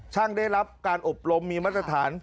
ได้รับการอบรมมีมาตรฐาน